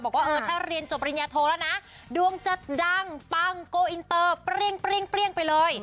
บอกว่าเออถ้าเรียนจบปริญญาโทแล้วนะดวงจะดังปังโกอินเตอร์เปรี้ยงไปเลย